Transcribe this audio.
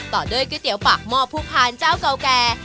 ต่อด้วยก๋วยเตี๋ยวปากหม้อผู้พานเจ้าเก่าแก่